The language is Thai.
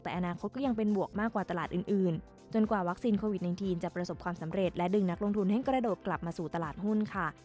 แต่อนาคตก็ยังเป็นบวกมากกว่าตลาดอื่นจนกว่าวัคซีนโควิด๑๙จะประสบความสำเร็จและดึงนักลงทุนให้กระโดดกลับมาสู่ตลาดหุ้นค่ะ